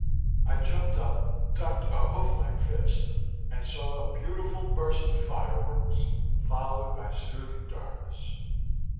I jumped up, ducked a hoof like fist ... and saw a beautiful burst of fireworks followed by soothing darkness.